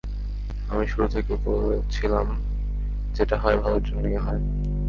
আমি শুরু থেকেই বলছিলাম, যেটা হয় ভালোর জন্যই হয়।